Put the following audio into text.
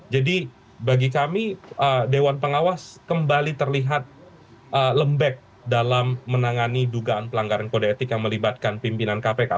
bagi kami dewan pengawas kembali terlihat lembek dalam menangani dugaan pelanggaran kode etik yang melibatkan pimpinan kpk